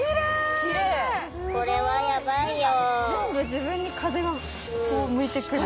全部自分に風が向いてくる。